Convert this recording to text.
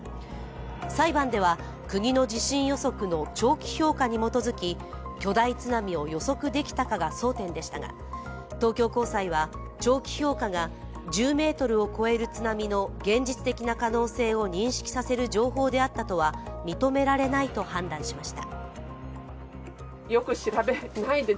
裁判では国の地震予測の長期評価に基づき、巨大津波を予測できたかが争点でしたが、東京高裁は長期評価が１０ｍを超える津波の現実的な可能性を認識させる情報であったとは認められないと判断しました。